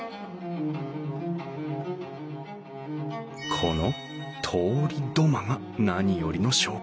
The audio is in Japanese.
この通り土間が何よりの証拠。